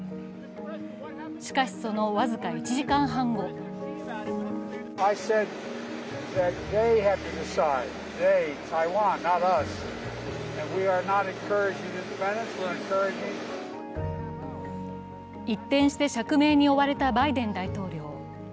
しかし、その僅か１時間半後一転して釈明に追われたバイデン大統領。